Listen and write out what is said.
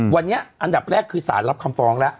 วันนี้อันดับแรกคือสารรับคำฟ้องแล้ว